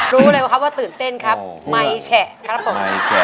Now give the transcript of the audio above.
รู้เลยว่าตื่นเต้นครับไม่แช่ครับผม